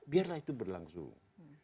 biarlah itu berlangsung